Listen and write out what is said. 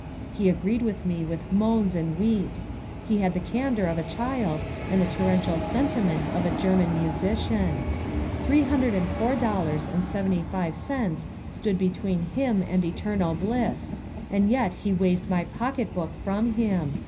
He agreed with me with moans and weeps. He had the candor of a child and the torrential sentiment of a German musician. Three hundred and four dollars and seventy five cents stood between him and eternal bliss, and yet he waved my pocketbook from him!